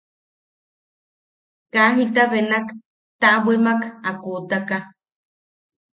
Kaa jita benak taʼabwimak a kuutaka.